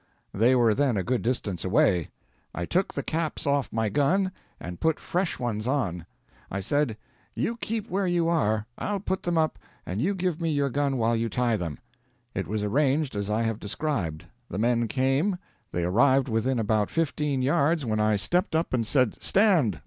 They were then a good distance away; I took the caps off my gun, and put fresh ones on. I said, 'You keep where you are, I'll put them up, and you give me your gun while you tie them.' It was arranged as I have described. The men came; they arrived within about fifteen yards when I stepped up and said, 'Stand!